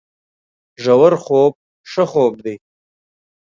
ژورخوب ښه خوب دی